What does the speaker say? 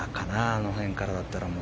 あの辺からだったら。